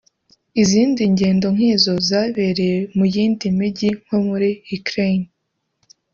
Izindi ngendo nk’izo zabereye mu yindi mijyi yo muri Ukraine